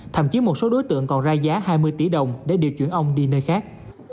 thậm chí một số đối tượng còn ra giá hai mươi tỷ đồng để điều chuyển ông đi nơi khác